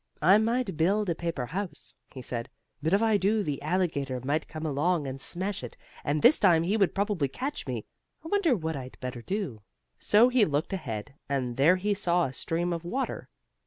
"I might build a paper house," he said, "but if I do the alligator might come along and smash it, and this time he would probably catch me. I wonder what I'd better do?" So he looked ahead, and there he saw a stream of water.